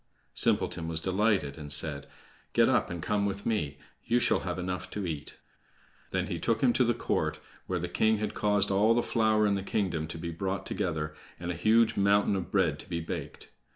Simpleton was delighted, and said: "Get up and come with me. You shall have enough to eat." Then he took him to the court, where the king had caused all the flour in the kingdom to be brought together, and a huge mountain of bread to be baked.